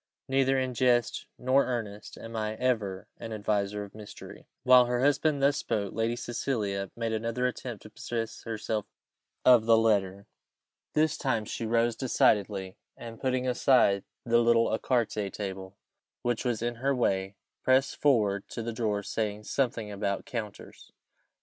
Neither in jest nor earnest am I ever an adviser of mystery." While her husband thus spoke, Lady Cecilia made another attempt to possess herself of the letter. This time she rose decidedly, and, putting aside the little ecarté table which was in her way, pressed forward to the drawer, saying something about "counters."